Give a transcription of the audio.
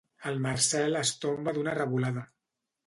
El Marcel es tomba d'una revolada.